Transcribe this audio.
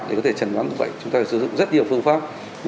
để có thể trần đoán bệnh chúng ta sử dụng rất nhiều phương pháp